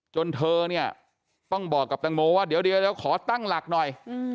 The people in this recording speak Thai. จนเธอเนี่ยต้องบอกกับแตงโมว่าเดี๋ยวขอตั้งหลักหน่อย